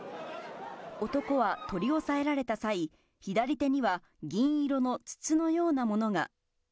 男は取り押さえられた際、左手には銀色の筒のようなものが。